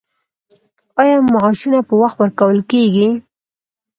آیا معاشونه په وخت ورکول کیږي؟